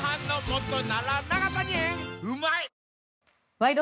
「ワイド！